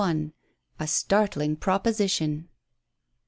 A STARTLING PROPOSITION.